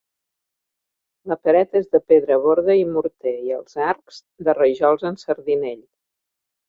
La paret és de pedra borda i morter i els arcs, de rajols en sardinell.